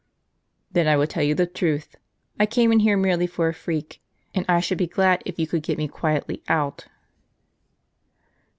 " Then I will tell you the truth : I came in here merely for a freak ; and I should be glad if you could get me quietly out."